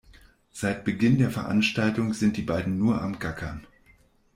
Seit Beginn der Veranstaltung sind die beiden nur am Gackern.